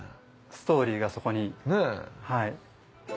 ストーリーがそこに。ねぇ。